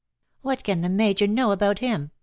" What can the Major know about him ?"